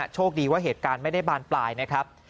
โชคดีว่าเหตุการณ์ไม่ได้บานปลายนะครับ